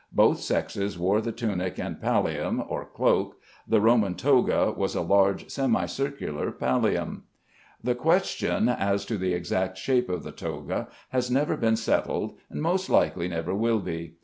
Both sexes wore the tunic and pallium (or cloak). The Roman "toga" was a large semicircular pallium. The question as to the exact shape of the toga has never been settled, and most likely never will be.